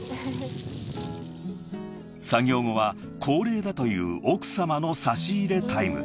［作業後は恒例だという奥さまの差し入れタイム］